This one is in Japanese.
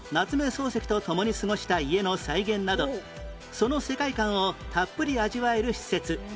漱石と共に過ごした家の再現などその世界観をたっぷり味わえる施設